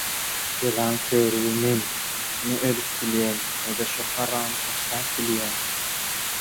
Belaň körügi men, ne ölüp bilýän, ne-de şo haramy taşlap bilýän.